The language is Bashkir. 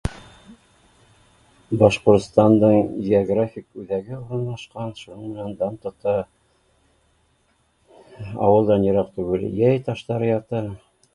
Башҡортостандың географик үҙәге урынлашҡан шуның менән дан тота, ауылдан йыраҡ түгел йәй таштары ята